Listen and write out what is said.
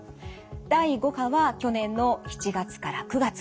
第５波は去年の７月から９月。